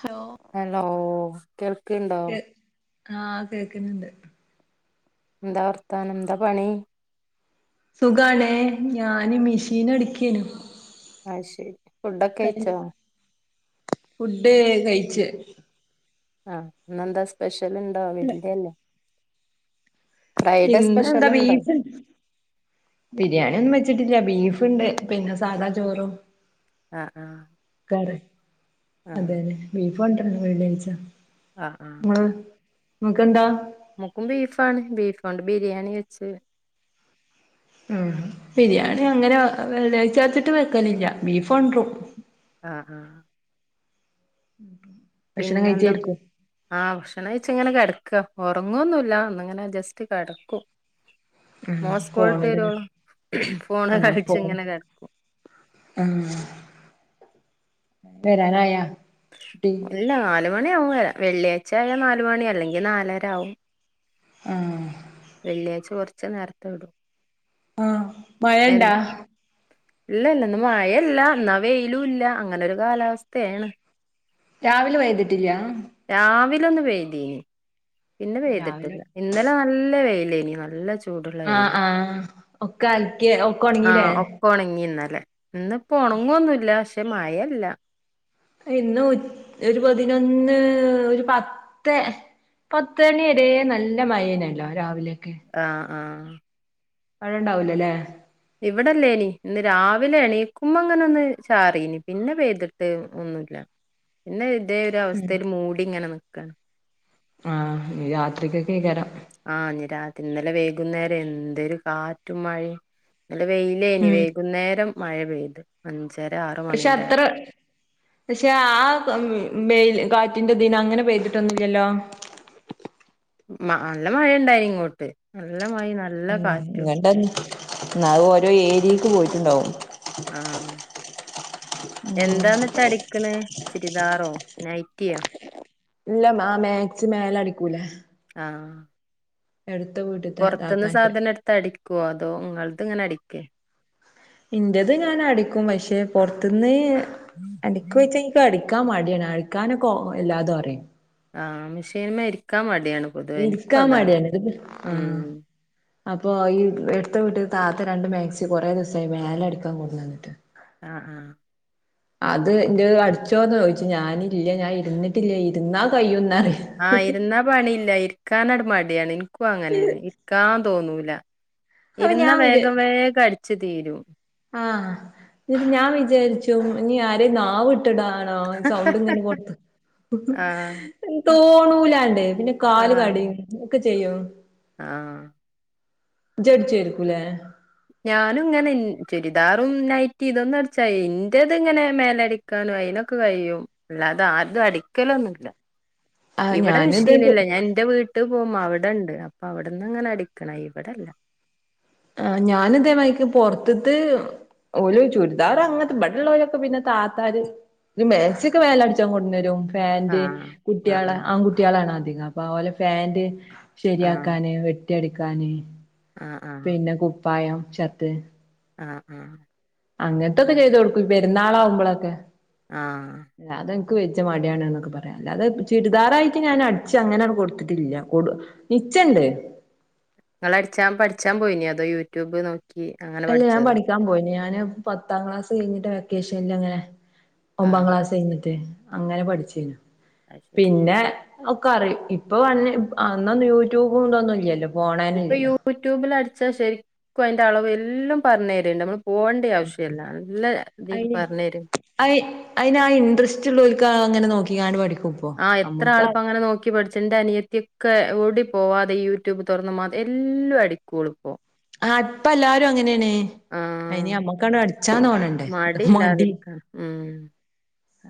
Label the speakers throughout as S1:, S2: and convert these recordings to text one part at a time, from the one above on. S1: Hello
S2: hello കേൾക്കിണ്ടോ?
S1: ആ കേക്കുന്നിണ്ട്.
S2: എന്താ വർത്താനം എന്താ പണീ?
S1: സുഖാണേ ഞാന് മെഷീനടിക്കേനു.
S2: അത് ശരി ഫുഡൊക്കഴിച്ചോ?
S1: ഫുഡ്‌ കഴിച്ച്.
S2: ആ ന്നെന്താ സ്പെഷ്യ [unintelligible] അല്ലേ? സ്പെഷ്യൽ
S1: ഇന്നെന്താ
S2: ഉണ്ടോ
S1: ബീഫ്ണ്, ബിരിയാണ്ന്നും വച്ചിട്ടില്ല ബീഫ് ഫുണ്ട് പിന്നെ സാദാ ചോറും.
S2: ആ ആ
S1: അത് അതുതന്നെ ബീഫ് [unintelligible] വെള്ളിയാഴ്ച.
S2: ആ ആ
S1: ങ്ങക്കെന്താ?
S2: നെക്കും ബീഫാണ് ബീഫ്. ഫോണ്ട് ബിരിയാണിവെച്ചു.
S1: ഉം ബിരിയാണിയങ്ങനെ വെള്ളിയാഴ്ചാത്തിട്ട് വെക്കലില്ല ബീഫൊണ്ടുറും.
S2: ആ ആ
S1: ഉം
S2: പിന്നെന്താ ആ ഭക്ഷണം കഴിച്ചിങ്ങനെ കിട ക്ക ഉറങ്ങൊന്നുല്ല ഒന്നിങ്ങനെ ജസ്റ്റ്‌ കിടക്കും
S1: ഉം
S2: മോൻ സ്കൂൾ
S1: ഫോണില്
S2: വിട്ടുവരുവോ ഫോണേ
S1: ആഹ് ഫോണ്
S2: കളിച്ചിങ്ങനെ കിടക്കും
S1: വരാനായോ
S2: ഇല്ല നാലു മണി ആവും വെള്ളിയാഴ്ച ആയാൽ നാലുമണി അല്ലെങ്കിൽ നാലര ആവും
S1: ആ
S2: വെള്ളിയാഴ്ച കൊറച്ചു നേരത്തെ വിടും
S1: ആ മഴയുണ്ടോ
S2: ഇല്ലില്ല ഇന്ന് മഴയല്ല എന്നാ വെയിലൂല്ല അങ്ങനൊരു കാലവസ്ഥയാണ്
S1: രാവിലെ പെയ്തിട്ടില്ല
S2: രാവിലെ ഒന്ന് പെയ്തീനിം പിന്നെ
S1: രാവിലെ
S2: പെയ്തിട്ടില്ല ഇന്നലെ നല്ല വെയിൽ ലേനീ നല്ല ചൂ
S1: ആ ആ ഒക്കെ അലക്കി ഒക്കെ ഒണങ്ങീല്ലേ
S2: ആഹ് ഒക്കെ ഒണങ്ങി ഇന്നലെ ഇന്നിപ്പോ ഒണങ്ങോന്നുല്ല ക്ഷേ മയല്ല
S1: ഇന്ന് ഉ ഒരു പതിനൊന്നു ഒരു പത്തെ പത്തുമണിവരേ നല്ല മയയായിനല്ലോ രാവിലെ
S2: ആ ആ
S1: മഴയുണ്ടാവൂലല്ലേ?
S2: ഇവിടെ ഇല്ലേനി ഇന്ന് രാവിലെ എണീക്കുമ്പോ ഇങ്ങനൊന്നു ചാറീന് പിന്നെ പെയ്തിട്ട് ഒന്നുല്ല ഇന്ന് ഇതേ ഒരു അവസ്ഥയില് മൂടി ഇങ്ങനെ നി ക്കാണ്-
S1: ആ രാത്രിക്കൊക്കെ ഇകരം-
S2: ആ ഇനി രാത്രി ഇന്നലെ വൈകുന്നേരം എന്തെര് കാറ്റും മഴയും- ഇന്നലെ വെയിലേന്
S1: ഉം
S2: വൈകുന്നേരം- മഴപെയ്ത് അഞ്ച്
S1: പക്ഷേ അത്ര പക്ഷേ ആ [unintelligible] മെയിൽ കാറ്റിന്റെതിന് അങ്ങനെ പെയ്തിട്ടൊന്നുല്ലല്ലോ?
S2: മ നല്ല മഴയുണ്ടായിങ്ങോട്ട് നല്ല മഴയും നല്ല കാറ്റും
S1: [unintelligible] അത് ഓരോ ഏരിയയ്ക്ക് പോയിട്ടുണ്ടാവും-
S2: ആ എന്താണിട്ട് അടിക്കണേ? ചുരിദാറോ നൈറ്റിയൊ?
S1: ഇല്ല മാ മാക്സി മേലെ അടിക്കൂലേ?
S2: ആഹ്-
S1: എടുത്ത വീട്ടത്തെ
S2: പൊറത്ത്ന്ന്
S1: താത്താന്റെ
S2: സാധനം എടുത്തു അടിക്ഒ അതോ നിങ്ങൾ- ഇങ്ങനെ അടിക്കെ
S1: ഇന്റത് ഞാൻ അടിക്കും പക്ഷെ പൊറത്തിന്ന് - അടിക്കുച്ച അടിക്കു [unintelligible] അടിക്കാൻ മടിയാണ് അടിക്കാനൊക്കെ എല്ലാതും അറിയും
S2: ആഹ് മിഷൻ മേടിക്കാൻ മടി
S1: ഇരിക്കാൻ മടിയാണ്
S2: ഉം
S1: അപ്പൊ അടുത്ത വീട്ടിത്തെ താത്ത രണ്ടു മാക്സി കൊറേ ദിവസമായി മേലെ അടിക്കാൻ കൊണ്ട് വന്നിട്ട്
S2: ആആ
S1: അത്‌ന്റെ അടിച്ചൊന്ന് ചോദിച്ചു ഞാൻ ഇല്ല ഞാൻ ഇരുന്നിട്ടില്ല ഞാൻ ഇരുന്നാ കൈ ഒന്ന് -
S2: ആ ഇരുന്ന പണി ഇല്ലാ ഇരിക്കാന- മടിയാണ് എനിക്കും അങ്ങനെ ആണ് ഇരിക്കാൻ തോന്നും [unintelligible]
S1: അപ്പൊ
S2: ഇരുന്ന വേഗം വെഗം അടി- ഇത് തീരും
S1: ആ ഇത് ഞാൻ വിചാരിച്ചു ഇനി ആരേം നാവ് - ട്ടാണോ സൗണ്ട് ഇങ്ങനെ ഇങ്ങോട്ട്
S2: ആഹ്
S1: തോന്നുലണ്ടണ്ട് പിന്നെ കാലു
S2: ആഹ്
S1: കെടയും ഒക്കെ ചെയ്യുമോ
S2: ആഹ്
S1: [unintelligible]
S2: ഞാനും ഇങ്ങനെ ചുരുദാറും, നൈറ്റിയും ഇത്‌ ഒന്നും അടിച്ചാലും എന്റെ ഇങ്ങനെ അടിക്കാൻ അതിനൊക്കെ കഴിയും അല്ലാതെ ആർക്കും അടിക്കൽ ഒന്നും ഇല്ല
S1: ആഹ്
S2: ഇവിടെ
S1: ഞാനിത്
S2: മിഷീനില്ല ഞാൻ ഇന്റെ വീട്ട് പോവ്മ്പം അവ്ടെണ്ട്. അവ്ട്ന്ന് ങ്ങനെ അടിക്ക്ണ ഇവടല്ല.
S1: ഞാനുതേമായിക്ക് പൊർത്ത്ത്ത് ഓല് ചുര്ദാറ് അങ്ങൻത്തെ ബടെല്ലോലൊക്കെ പിന്നെ താത്താര് ന്നെ മേക്സിയൊക്കെ മേലെ അട്ച്ചാൻ കൊട്ന്നരും. പാന്റ്
S2: ആഹ്
S1: കുട്ടിയാളെ
S2: ആഹ്
S1: ആങ്കുട്ടിയളാണ ന്നാപ്പ ഓലെ പാന്റ്. ശെരിയാക്കാന് വെ ട്ടി അടിക്കാന്.
S2: ആ
S1: പിന്നെ കു പ്പായം, ഷർട്ട്‌.
S2: ആഹ് ആഹ്
S1: അങ്ങൻത്തൊക്കെ ചെയ്തു കൊടുക്കും. പെരുന്നാളാവുമ്പ്ളൊ ക്കെ.
S2: ആഹ്
S1: ക്ക് വെജ്ജ മടിയാണ് ന്നൊക്കെ പറയാ. അല്ലാതെ ചുരിദാറായിട്ട് ഞാന് അട്ച്ച് അങ്ങനെണ്ട് കൊട് ത്തിട്ടില്ല. കൊടു നിച്ചണ്ട്.
S2: ഇങ്ങള് അട്ച്ചാ പട്ച്ചാം പോയിനോ. അതോ യൂട്യൂബ് നോ
S1: അല്ല ഞാന് പഠിയ്ക്കാൻ പോയിനി ഞാന ഞാൻ പത്താം ക്ലാസ് കഴിഞ്ഞിട്ട് വെക്കേഷനിലങ്ങനെ ഒമ്പാ
S2: ആഹ്
S1: ക്ലാസ്സ് കയിഞ്ഞിട്ടേ അങ്ങനെ പഠിച്ചീന്
S2: അത് ശരി
S1: പിന്നെ ഒക്കറീ ഇപ്പ വന്നേ അന്ന് യൂ ട്യൂബും കുന്തോന്നും ഇല്ലല്ലോ ഫോണന്നെ
S2: ഇപ്പം യൂ
S1: ഇല്ലല്ലോ
S2: ട്യൂബിലടിച് ചാ ശരിക്കും അതിന്റെ അളവെല്ലാം പറഞ്ഞു തരമ്മളെ പോവണ്ടിയ ആവശ്യം ഇല്ലാ എല്ലാ ഇതി പറഞ്ഞു തരും
S1: അയിനാ ഇൻട്രെസ്ട്രോള്ളോർക്കാ അങ്ങിനെ നോക്കിയാണു പഠിക്കു
S2: ആ എത്രാളിപ്പങ്ങനെ നോക്കി മേടിച്ചു ന്റനിയത്തിക്കേ ഓടി പോവാതെ യൂട്യൂബു തൊറന്ന മാ എല്ലടിക്കോളും ഇപ്പം
S1: ആ ഇപ്പെല്ലാരും അങ്ങനെഅന്നെ ഇനി അമ്മക്കവിടെ അടു
S2: മടി ഇല്ലാതിരിക്ക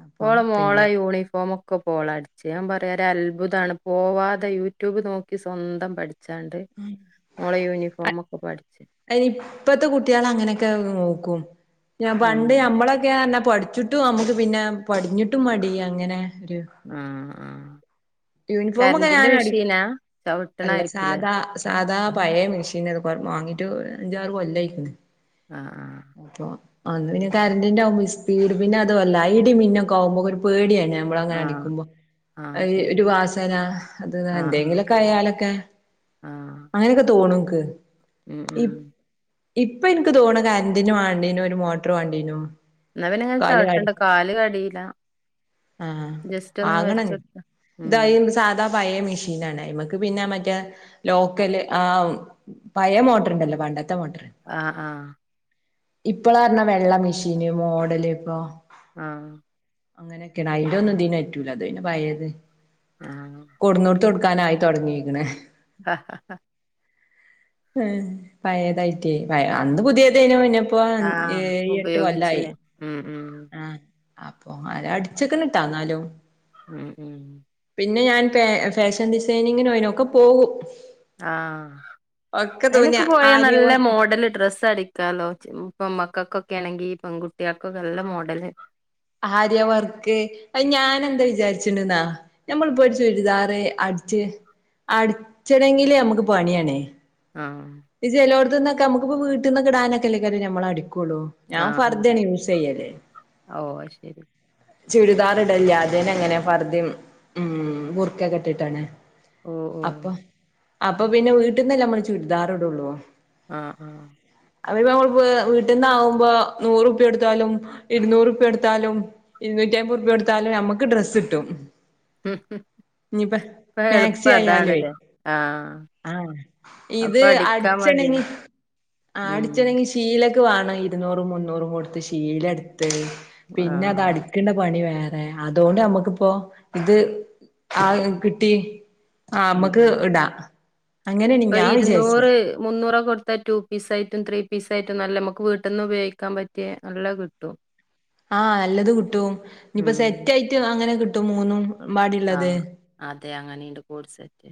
S1: അപ്പൊ
S2: ഓൾടെ മോളെ
S1: പിന്നെ
S2: ഊ ളിഫോമൊക്കെ ഒക്കെ പോളാടുത്തു പറയാ ഒരൽഭു തമാണെ പോവാതെ യൂ ട്യൂബ് നോക്കി സ്വന്തം പടിച് ചാണ്ടേ ഓളെ യൂണിഫോമൊക്കെ പഠി
S1: അയിനിപ്പത്തെ കുട്ടികള ങ്ങനൊക്കെ ഒന്ന് നോക്കും ഞാൻ
S2: ഉം
S1: പണ്ട് ഞമ്മളൊക്കെ പഠിച്ചിട്ടു നമുക്കെ പിന്നെ പടിഞ്ഞിട്ടും മടിയാ ഇങ്ങനെ
S2: ആാ
S1: [unintelligible] അല്ല
S2: ചവിട്ടണായിരിക്കൂലേ
S1: സാദാ സാദാ പയേ മിഷി ട് വാങ്ങീട്ടു അഞ്ചാറു കൊല്ലായി
S2: ആ
S1: അന്നു പിന്നെ കരണ്ടിന്റെ ആവുമ്പം ഇസ്പീഡ് പിന്നതുമല്ല ഇടിം മിന്നു ഒക്കെ ആവുമ്പോ പേടി ആണ് നമ്മളിങ്ങനെ
S2: ആഹ്
S1: അടിക്കുമ്പോ
S2: ആഹ് ശരി
S1: ഒരു വാസന അതു
S2: ആഹ്
S1: തന്റെ
S2: ആഹ്
S1: എന്തെലൊക്കെ ആയാലൊക്കെ
S2: ആഹ്
S1: അങ്ങനൊക്കെ തോണു [unintelligible]
S2: ഉം ഉം
S1: ഇപ്പം എനിക്ക് തോന്ന കരണ്ടിന്റെ വാണ്ടീന് മോട്ടറു വാങ്ങ
S2: ന്നാ ങ്ങനെ ചവിട്ടണ്ട കാൽ കടീലാ ജസ്റ്റ്‌ ഒന്ന് ങ്ങനെ വെച്ചോട്ത
S1: [unintelligible] ഇതാ പയേ മിഷനാണെ മ്മക്കെ പിന്നാ മറ്റേ ലോക്കലെ പയേ മോട്ടോറിണ്ടല്ലോ പണ്ടത്തെ മോട്ടറെ
S2: അ ആ
S1: ഇപ്പളാർണ വെള്ള മെഷീന് മോഡല് ഇപ്പം
S2: ആ
S1: അങ്ങനെക്കെയാണ് അയിന്റെ ഒന്നു ഇതിനറ്റൂല ഇതയിന് പഴേത്
S2: ആ
S1: തൊട്‌ക്കാനായി തൊട്ങ്ങീക്ക്‌ണ്
S2: ആഹ്
S1: ഹെ പഴെതായി റ്റെ അന്ന് പുതിയെതെനു പിന്നെ ഇപ്പ
S2: ആഹ്
S1: ഏയ് എട്ട് കൊല്ലായി
S2: ഉപയോഗിച്ചില്ലേ ഉം ഉം
S1: ആ അപ്പൊ അല അട്‌ച്ച്ക്ക്‌ണ് ട്ടാ ന്നാലും
S2: മ് മ്
S1: പിന്നെ ഞാൻ പേ ഫേഷൻ ഡിസൈനിംങ്ങിനൊയ്ന് ഒക്കെ പോവും
S2: ആ
S1: തുന്നിയ
S2: അയ്നൊക്കെ പോയാ
S1: ആര്യ
S2: നല്ല
S1: വർക്ക്
S2: മോഡല് ഡ്രെസ്സ് അടിക്കാല്ലോ ച് ഇപ്പ മ്മ ങ്ങക്കക്കൊണെങ്കിൽ പെൺകുട്ട്ട്യേ കൊക്കെ നല്ല മോഡല്
S1: ആര്യ വർക് അയ് ഞാനെന്തെ വിചാരിച്ചിണ്ട്ന്ന നമ്മൾപ്പൊരു ചുരിദാറ് അട്ച്ച് അട്ച്ചണങ്കില് അമക്ക് പണിയാണ്
S2: ആഹ്
S1: ട്ട്ന്നൊക്ക മ്മക്ക് ഇപ്പ വീട്ട്ന്നൊക്കെ ഇടാനൊക്കെല്ലെ നമ്മള് അടി ക്കൊളു ഞാൻ
S2: ആഹ് ആഹ്
S1: ഫർതെണ് യൂസെയ്യല്
S2: ഓ അത് ശരി
S1: ചുരിദാറ് ഇടല്ല ആദ്യന്നെ ഇങ്ങനെ ഫർദിമ് ബുർകൊക്കെ ഇട്ട്ട്ടാണ്
S2: ഓ ഓ
S1: അപ്പ പിന്നെ വീട്ട്ന്നല്ലേ മ്മള് ചുര് ദാറ്ടൊള്ളു
S2: അ ആ
S1: അപ്പ നമ്മൾപ്പ വീട്ട്ന്നാവുമ്പോ നൂറു പ്പ്യൊട്ത്താലും ഇര്ന്നൂറ് പ്പ്യൊട്‌ ത്താലും ഇര്നൂറ്റി അയ്മ്പൊർപ്യൊട് ത്താലും നമ്മക്ക് ഡ്രെസ്സ്ട്ടും
S2: ഇപ്പ
S1: മാക്സി ആയാലുവേ
S2: എള്പ്പതാണ്ല്ലെ ആ
S1: ആഹ് ഇത് അടിച്ചണെങ്കി ആ
S2: ഉം
S1: അടിച്ചാണെങ്കി ശീ ലക്ക് വാണം ഇര്ന്നൂറും മുന്നൂറും കൊട്ത്ത് ശീലട്‌ ത്ത് പിന്നെ അത്
S2: ആഹ്
S1: അടിക്ക്‌ണ പണി വേ റെ അതോണ്ട് അമ്മക്ക്പ്പൊ ഇത് ആ കിട്ടി ആ
S2: ഉം
S1: മ്മക്ക് ഇടാ അങ്ങനെണ് വിചാരിച്ചെ
S2: ന്നൂറ് മൂന്നൂറൊക്ക കൊട്ത്ത ടു പീസായിട്ടും ത്രീ ത്രീ പീസ് ആയിട്ട് നല്ല മ്മക്ക് വീട്ട്ന്ന് ഉപയോഗിക്കാൻ പറ്റ്യേ നല്ല കിട്ടും
S1: ആ നല്ലത് കിട്ടും ഇഞ്ഞ്പ്പ സെറ്റായിട്ട് അങ്ങനെ കി ട്ടു മൂന്നും
S2: ആ
S1: പാടിള്ളത്
S2: അത് അങ്ങെനെണ്ട് കോഡ് സെറ്റ്.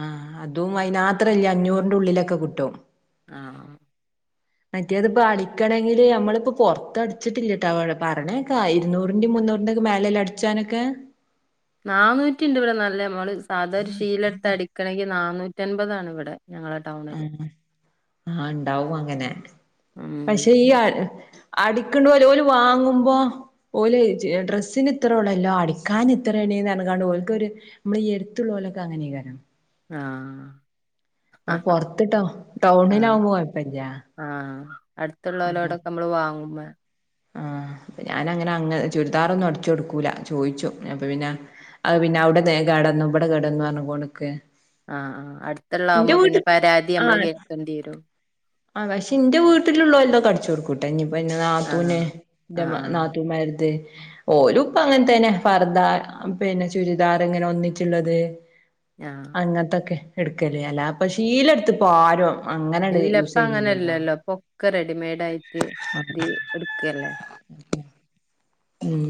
S1: ആ അതും അയിനാത്ര ല്ല അഞ്ഞൂർൻ്റുള്ളിലൊക്കെ കിട്ടും.
S2: ആ
S1: മറ്റേത് ഇപ്പോ അടിക്കണങ്കില് ഞമ്മൾ പ്പോ പോർത് അടിച്ചിട്ടില്ലാട്ട പർഞ്ഞേക്കാ ഇരുന്നൂരിന്റിം മുന്നൂരിന്റിം മേലല്ലേ അടിച്ചനൊക്കെ
S2: നാനൂറ്റിണ്ട് ഇവടെ നല്ല അമ്മള് സാധാ ഒരു ശീലട്ത് അടിക്കാണെങ്കില് നാനൂറ്റമ്പതാണിവടെ.
S1: ആഹ് ആഹ് ണ്ടാകും അങ്ങനെ
S2: ഉം
S1: പക്ഷെ ഈ അടു അടിക്കണ്ടുപോലും ഓൽ വാങ്ങുമ്പോ ഓല് ഡ്രെസ്സിന് ഇത്രഉള്ളല്ലോ അടിക്കാൻ ഇത്രേനി അനങ്ങാണ്ട് ഓൽക്കൊരു നമ്മളീ എടുത്തുള്ളോൽ [unintelligible]
S2: ആ ഹ
S1: പൊറത്തിട്ടോ
S2: ഹ ആ
S1: ടൗണിലാവുമ്പോ കൊഴപ്പല്ല
S2: ആ അടുത്തുള്ളലോടക്കെ വാങ്ങുമ്പോൾ
S1: ആ ഞാൻ അങ്ങനെ അങ്ങനെ ചുരിദാർ ഒന്ന് അടിച്ചെടുക്കുല ചോദിക്കും അപ്പൊ പിന്നെ അങ്ങനെ ആ പിന്നെ അവിടെ വേ കേടുവന്നു ഇവിടെ കേട്വന്ന് എന്ന് പറഞ്ഞു നിൽക്കും
S2: ആ അടുത്തുള്ളമ്പോൾ പിന്നെപരാതി കേൾക്കേണ്ടിവരും
S1: പക്ഷേ എന്റെ വീട്ടിൽ ഉള്ളതൊക്കെ അടിച്ചെടുക്കും പിന്നെ നാത്തൂന്ന്
S2: ആഹ്
S1: എന്റെ
S2: ആഹ് ആഹ്
S1: നാത്തൂന്മാരെത് ഓലും ഇപ്പം അങ്ങനെയല്ലേ പർദ്ദ പിന്നെ ചുരിദാങ്ങനെ ഒരുമിച്ചുള്ളത്
S2: ആഹ്
S1: അങ്ങനെന്തൊക്കെ എടുക്കല് അല്ലാതെ ഷീലെടുത്ത്പ്പരും അങ്ങനങ്ങട്ട് യൂസ്
S2: ഇപ്പം അങ്ങനെ
S1: ചെയ്യുന്നില്ലല്ലോ
S2: ഇല്ലല്ലോ റെഡിമെയ്ഡ് യിട്ട് ഇത് എടുക്കല്ലേ
S1: ഉം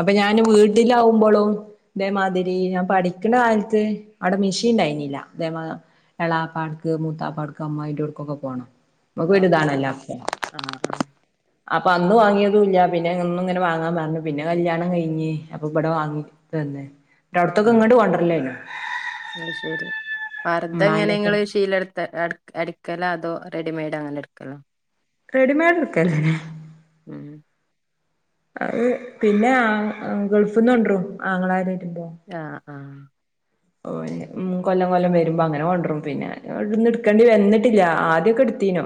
S1: അപ്പൊ ഞാന് വീട്ടിലാാവുമ്പോളും ഇതേമാതിരി ഞാൻ പഠിക്കുന്ന കാലത്ത് അവിടെ മെഷീൻണ്ടായിനില്ല അതേ എളാപ്പാട്ക്ക് മൂത്താപ്പാടക്ക് അമ്മായിട്ടർക്കൊക്കെ പോണം നമുക്കൊരു
S2: ആഹ്
S1: ഇതാണല്ലോ അതൊക്കെ
S2: ആഹ് ആഹ്
S1: അപ്പൊ അന്ന് വാങ്ങിയതും ഇല്ല പിന്നെ എന്നുംഇങ്ങനെ വങ്ങൻ പറഞ്ഞ് പിന്നെ കല്യാണം കഴിഞ്ഞ് അപ്പൊ ഇവിടെ വാങ്ങി തന്നെ അവിടത്തൊക്കെ
S2: ആഹ്
S1: ഇങ്ങോട്ട് കൊണ്ടർലേന്ന്
S2: പർത എങ്ങനെങ്ങള് ശീലെടുത്ത അടുക്കലോ അതോ റെഡിമെയ്ഡ് അങ്ങനെ എടുക്കല്ലോ
S1: റെഡിമെയഡ് എക്കല്ലേെ
S2: ഉം
S1: അത് പിന്നെ ആ ഗൾഫന്ന കൊണ്ടുരും ആങ്ങളാര്
S2: ആ ആ
S1: ഓ ഉ കൊല്ലം കൊല്ലം വരുമ്പോ അങ്ങനെ കൊണ്ടരും പിന്നെ ഇന്ന് എടുക്കേണ്ടി വന്നിട്ടില്ല ആദ്യൊക്കെ എടുതീനു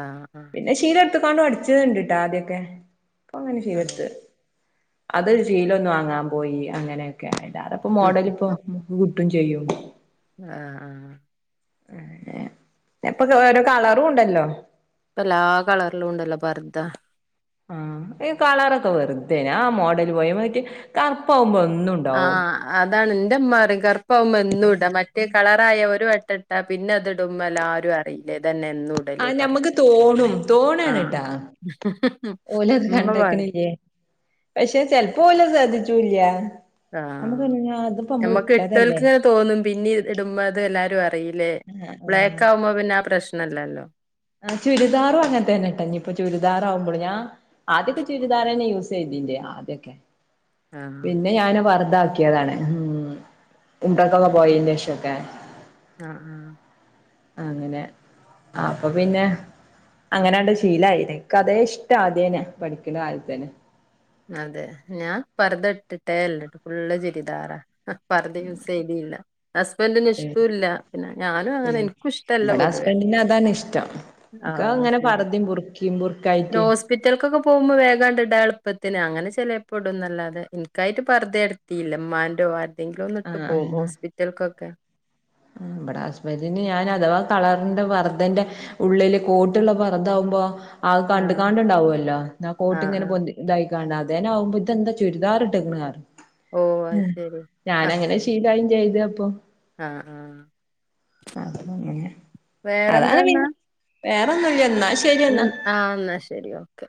S2: ആഹ്
S1: പിന്നെ ശീല കാണും അടിച്ചത്ണ്ട്ട്ടൊ ആദ്യൊക്കെ അപ്പൊ അങ്ങനെ
S2: ആഹ്
S1: ശീലഡ്ത്ത് അത്ൽ സിലലൊന്ന് വാങ്ങാൻ പോയി അങ്ങനെ അയ്ലേറെ മോഡൽ ഇപ്പൊ [unintelligible] കിട്ടും ചെയ്യും.
S2: ആഹ് ആഹ്
S1: ഇപ്പൊക്കൊരോ കളറുണ്ടല്ലോ
S2: എല്ലാ കളറിലുണ്ടല്ലോ പർദ
S1: ആഹ് ഇ കളറൊക്കെ വെറ്തേന് ആ മോഡല് പോയ മറ്റേ കറ്പ്പവുമ്പോ
S2: ആഹ് അതാണ് ഇന്റെമ്മ പറയും കറുപ്പാവുമ്പോ ന്നൂടാ മറ്റേ കളറായ ഒരു വട്ട ഇട്ട പിന്നെ അത്ടുമ്മല എല്ലാരും അറിയില്ലേ ഇതന്നെ എന്നും
S1: ആ
S2: ഇടല് പറയും
S1: ഞമ്മുക്ക് തോണും തോണാണ്
S2: ആഹ്
S1: കേട്ടാ ഓലത്
S2: ഉമ്മ പറയും
S1: കണ്ടക്കണില്ലേ പക്ഷെ ചെലപ്പോ ഓല ശ്രദ്ധി ട്ടുല്ല
S2: ആഹ് ഞമ്മക്ക്
S1: ഇട്ടതല്ലേ
S2: ഇട്ടൽക്ക് തോന്നും പിന്നീ ഇടുമ്പോ അത് എല്ലാരും അറിയില്ലേ, ബ്ലാക്ക് ആവുമ്പോ പിന്നെ ആ പ്രശ് ഇന്നല്ലല്ലോ.
S1: ആ ചുരിദാറും അങ്ങനത്തെ തന്നെട്ടാ ഇനിയിപ്പൊ ചുരിദാറ ആവുമ്പോൾ ഞാൻ ആദ്യൊക്കെ ചുരിദാർ തന്നെ യൂസ് ചെയ്തില്ലേ ആദ്യൊക്കെ
S2: ആഹ്
S1: പിന്നെ ഞാന് പറ അതാക്കിയതാണ് ഉം ഉണ്ടക്കൊക്കെ പോയതിന് ശേഷക്കെ
S2: ആഹ് ആഹ്
S1: അങ്ങനെ അപ്പൊ പിന്നെ അങ്ങനെണ്ട് ശീലായിത് ഇക്ക് അതേ ഇഷ്ടം ആദ്യന്നെ പഠിക്കുന്ന കാലത്തന്നെ
S2: അതെ ഞാൻ പറത ഇട്ടിട്ടേ ഇല്ല ഫുൾ ചുരിദാറാ അ പർദ്ദ യൂസ് ചെയ്യലില്ല ഹസ്ബൻഡിന് ഇഷ്ട്ടല്ല പിന്നെ ഞാനും അങ്ങനെ എനിക്കും ഇഷ്ടല്ല
S1: ഇവിടെ
S2: പൊതുവേ
S1: ഹസ്ബൻഡിന് അതാണ് ഇഷ്ടം എനക്ക്
S2: ആഹ്
S1: അങ്ങനെ
S2: ശരി
S1: പർദ്ദയും ബുർക്കയും
S2: ഒരു
S1: ബുർക്കായിട്ട്
S2: ഹോസ്പിറ്റലക്കൊക്കെ പോകുമ്പോ വേഗാണ്ട് ഇടാൻ എളുപ്പം ത്തിന് അങ്ങനെ ചിലേപ്പൊ ഇടുന്ന് അല്ലാതെ എനിക്കായിട്ട് പർദ്ദ ഞാനെടത്തീല്ല ഇമ്മന്റെ ആര് എന്തെങ്കിലും ഒന്നിട്ട്
S1: ആഹ്
S2: പോകും ഹോസ്പിറ്റലക്കൊക്കെ
S1: നമ്മുടെ ഹസ്ബൻ്റിന് ഞാൻ അഥവാ കളറിന്റെ പറതന്റെ ഉള്ളിൽ കോട്ടുള്ള പറത ആവുമ്പോൾ അത്
S2: ആഹ്
S1: കണ്ടുകാണ്ട്ണ്ടാവുവല്ലോ ഇന്നാ കോട്ട്
S2: ആഹ്
S1: ഇങ്ങനെ
S2: ആഹ്
S1: പൊന്തി ഇതായി - [unintelligible] അതാനേ ആവുമ്പോ ഇതെന്താ ചുരിദാറിട്ട്
S2: ഓഹ് അത് ശരി ആഹ്
S1: ഞാനങ്ങനെ ശീലമായി ചെയ്ത് അപ്പൊ
S2: ആഹ് ആഹ്
S1: അതു ഇങ്ങനെ
S2: വേറെന്താന്നാ
S1: വേറൊന്നുമില്ല എന്നാൽ
S2: ഉം ആഹ് ഇന്നാ ശരി ഓക്കെ